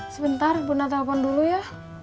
sebentar bunda telpon dulu ya